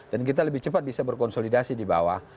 dan kita lebih cepat bisa berkonsolidasi di bawah